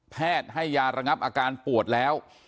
ให้ยาระงับอาการปวดแล้ว